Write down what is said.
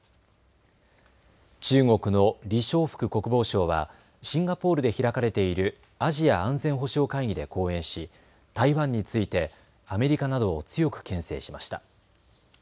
中国の李尚福国防相はシンガポールで開かれているアジア安全保障会議で講演し台湾についてアメリカなどを強くけん制しました。